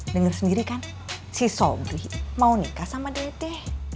dengar sendiri kan si sobi mau nikah sama deteh